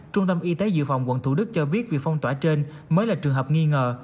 trung tâm y tế dự phòng quận thủ đức cho biết việc phong tỏa trên mới là trường hợp nghi ngờ